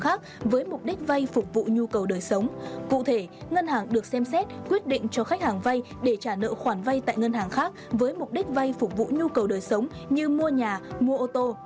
khách hàng được xem xét quyết định cho khách hàng vay để trả nợ khoản vay tại ngân hàng khác với mục đích vay phục vụ nhu cầu đời sống như mua nhà mua ô tô